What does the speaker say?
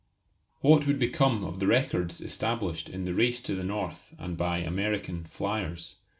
What would become of the records established in the "Race to the North" and by American "fliers"?